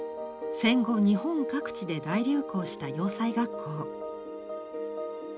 戦後日本各地で大流行した洋裁学校。